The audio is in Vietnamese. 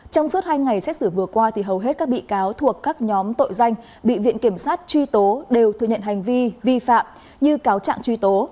trong suốt hai ngày xét xử vừa qua hầu hết các bị cáo thuộc các nhóm tội danh bị viện kiểm sát truy tố đều thừa nhận hành vi vi phạm như cáo trạng truy tố